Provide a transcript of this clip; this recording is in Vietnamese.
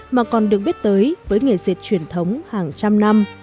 mà còn được biết tới với nghề dệt truyền thống hàng trăm năm